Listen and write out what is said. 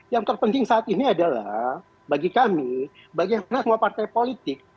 yang terpenting saat ini adalah bagi kami bagaimana semua partai politik